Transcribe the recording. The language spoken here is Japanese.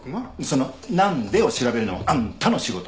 その「なんで？」を調べるのはあんたの仕事！